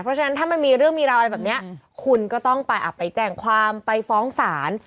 เพราะฉะนั้นถ้ามันมีเรื่องมีราวอะไรแบบนี้คุณก็ต้องไปแจ้งความไปฟ้องศาล